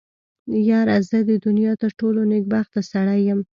يره زه د دونيا تر ټولو نېکبخته سړی يم.